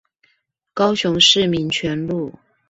高雄市民權路